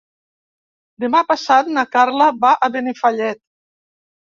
Demà passat na Carla va a Benifallet.